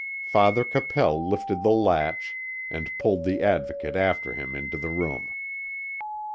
Father Capel lifted the latch, and pulled the Advocate after him into the room.